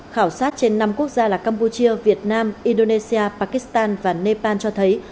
khảo sát trên năm quốc gia là campuchia việt nam indonesia pakistan và nepal cho thấy